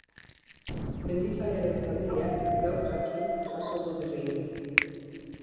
Mendizalearen familiak gaur jakin jaso du berria.